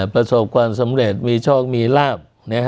ประสบความสำเร็จมีโชคมีลาบ